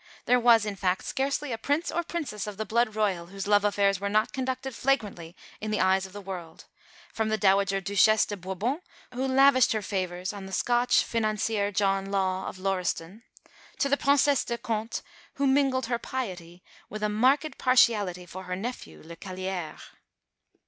There was, in fact, scarcely a Prince or Princess of the Blood Royal whose love affairs were not conducted flagrantly in the eyes of the world, from the Dowager Duchesse de Bourbon, who lavished her favours on the Scotch financier, John Law, of Lauriston, to the Princesse de Conte, who mingled her piety with a marked partiality for her nephew, Le Kallière.